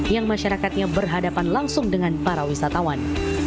yang masyarakatnya berhadapan langsung dengan para wisatawan